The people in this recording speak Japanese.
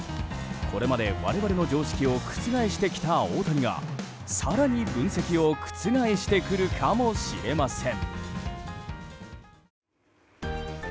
これまで我々の常識を覆してきた大谷が更に分析を覆してくるかもしれません。